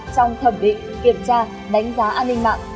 trong thẩm định kiểm tra đánh giá an ninh mạng